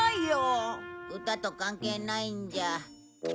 歌と関係ないんじゃ。